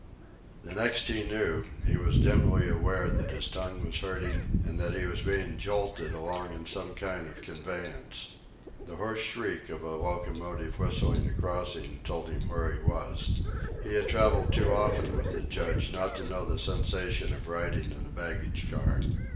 The next he knew, he was dimly aware that his tongue was hurting and that he was being jolted along in some kind of a conveyance. The hoarse shriek of a locomotive whistling a crossing told him where he was. He had travelled too often with the Judge not to know the sensation of riding in a baggage car.